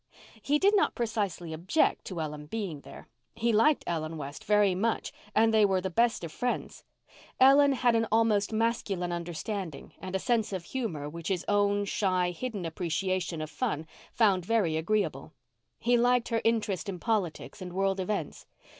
He did not precisely object to Ellen being there. He liked Ellen West very much and they were the best of friends. Ellen had an almost masculine understanding and a sense of humour which his own shy, hidden appreciation of fun found very agreeable. He liked her interest in politics and world events.